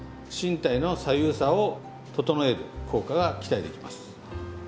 身体の左右差を整える効果が期待できます。